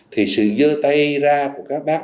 thì sự dơ tay ra của các bác